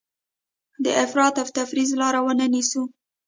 د افراط او تفریط لاره ونه نیسو.